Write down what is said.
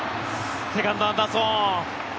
セカンド、アンダーソン。